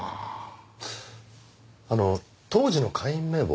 あの当時の会員名簿